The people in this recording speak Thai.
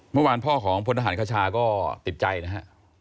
เมื่อวานพ่อของพลทหารคชาก็ติดใจนะฮะ